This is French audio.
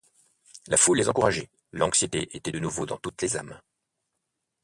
La foule les encourageait, l'anxiété était de nouveau dans toutes les âmes.